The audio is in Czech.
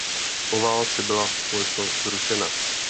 Po válce byla společnost zrušena.